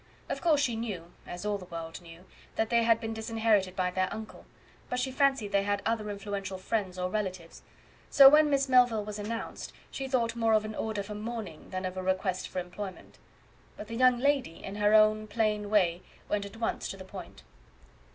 Of course she knew, as all the world knew, that they had been disinherited by their uncle, but she fancied they had other influential friends or relatives; so when Miss Melville was announced, she thought more of an order for mourning then of a request for employment. But the young lady, in her own plain way, went at once to the point.